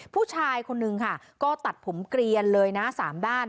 ผู้ชายคนนึงค่ะก็ตัดผมเกลียนเลยนะ๓ด้าน